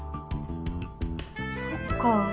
そっか。